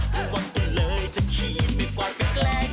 ต้องหวังตัวเลยจะขี้มีกว่ากล้างแกล้ง